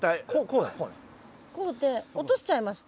落としちゃいました？